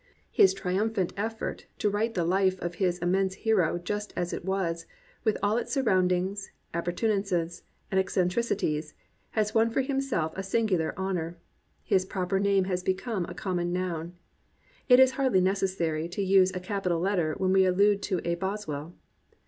His triumphant effort to write the life of his Immense Hero just as it was, with all its sur roundings, appiu'tenances, and eccentricities, has won for himself a singular honour: his proper name has become a common noun. It is hardly neces sary to use a capital letter when we allude to a bos well.